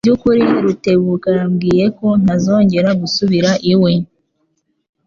Mubyukuri, Rutebuka yambwiye ko ntazongera gusubira iwe.